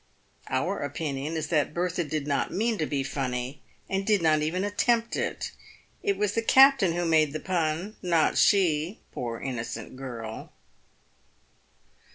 Our opinion is that PAYED WITH GOLD. 301 Bertha did not mean to be funny, and did not even attempt it. It was the captain who made the pun, not she, poor innocent girl